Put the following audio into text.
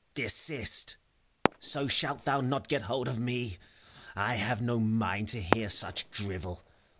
FAUST. Desist! So shalt thou not get hold of me! 238 FAUST. I have no mind to hear such drivel.